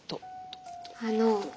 あの。